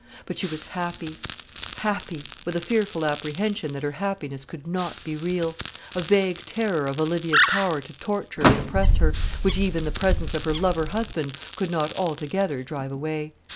But she was happy, happy, with a fearful apprehension that her happiness could not be real, a vague terror of Olivia's power to torture and oppress her, which even the presence of her lover husband could not altogether drive away.